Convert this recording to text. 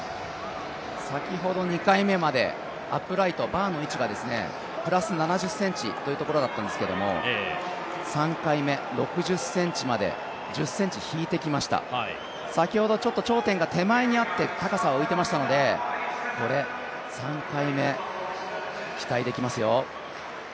先ほど２回目までアップライト、バーの位置がプラス７０ｃｍというところだったんですけれども、３回目６０ｃｍまで１０ｃｍ引いてきました、先ほどちょっと頂点が手前にあって、高さ浮いてましたので、これ、３回目、期待できますよ。